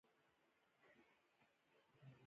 پرونی ملا ته گوره، چی ټوک خورو سقاط خورو